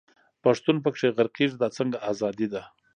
پښتون په کښي غرقېږي، دا څنګه ازادي ده.